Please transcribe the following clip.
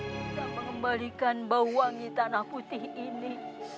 kita mengembalikan bau wangi tanah putih ini